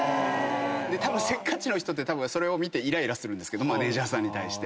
たぶんせっかちの人ってそれを見てイライラするんですけどマネージャーさんに対して。